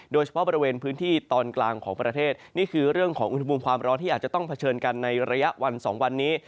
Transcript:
โดยเฉพาะบริเวณพื้นที่ตอนกลางของประเทศนี่คือเรื่องของอุณหภูมิความร้อนที่อาจจะต้องเผชิญกันในระยะวัน๒วันนี้